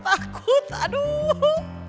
enggak takut aduh